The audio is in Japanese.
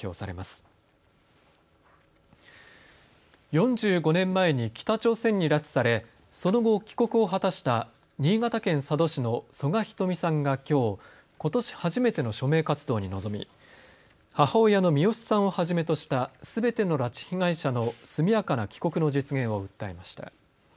４５年前に北朝鮮に拉致されその後、帰国を果たした新潟県佐渡市の曽我ひとみさんがきょう、ことし初めての署名活動に臨み母親のミヨシさんをはじめとしたすべての拉致被害者の速やかな帰国の実現を訴えました。